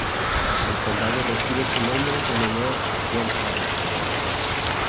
El condado recibe su nombre en honor a John Harrison.